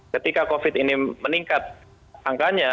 ketika covid ini meningkat angkanya